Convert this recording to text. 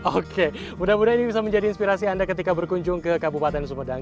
oke mudah mudahan ini bisa menjadi inspirasi anda ketika berkunjung ke kabupaten sumedang